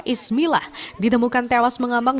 ismila ditemukan tewas mengambang